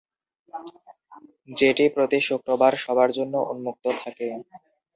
যেটি প্রতি শুক্রবার সবার জন্য উন্মুক্ত থাকে।